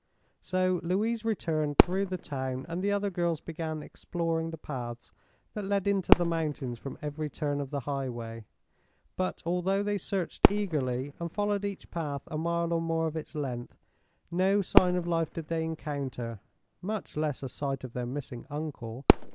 So Louise returned through the town and the other girls began exploring the paths that led into the mountains from every turn of the highway. But although they searched eagerly and followed each path a mile or more of its length, no sign of life did they encounter much less a sight of their missing uncle.